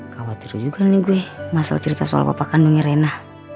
khawatir juga nih gue masalah cerita soal bapak kandungnya rena